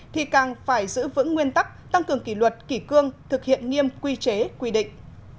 thì càng phải giữ vững nguyên tắc tăng cường kỷ luật kỷ cương thực hiện nghiêm quy chế quy định